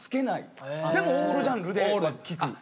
でもオールジャンルで聴く。